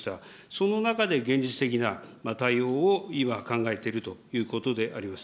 その中で現実的な対応を今、考えてるということであります。